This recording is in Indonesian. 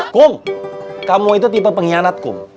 kum kamu itu tipe pengkhianat kum